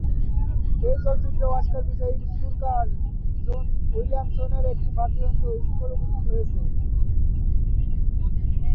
এই চলচ্চিত্রে অস্কার বিজয়ী সুরকার জন উইলিয়ামসের একটি বাদ্যযন্ত্র স্কোর উপস্থিত হয়েছে।